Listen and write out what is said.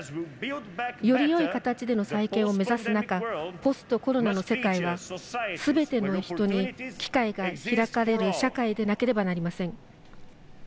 よりよい形での再建を目指す中ポストコロナの世界はすべての人に機会が開かれる社会でなければなりません。